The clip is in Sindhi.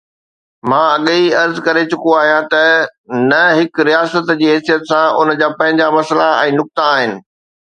مان اڳيئي عرض ڪري چڪو آهيان ته نه، هڪ رياست جي حيثيت سان ان جا پنهنجا مسئلا ۽ نقطا آهن.